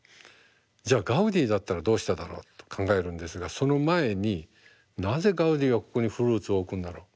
じゃあガウディだったらどうしただろうと考えるんですがその前になぜガウディはここにフルーツを置くんだろう。